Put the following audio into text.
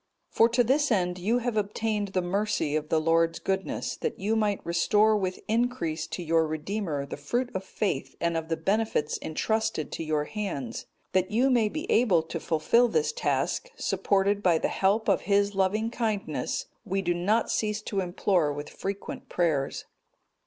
'(224) For to this end you have obtained the mercy of the Lord's goodness, that you might restore with increase to your Redeemer the fruit of faith and of the benefits entrusted to your hands. That you may be able to fulfil this task, supported by the help of His loving kindness we do not cease to implore with frequent prayers.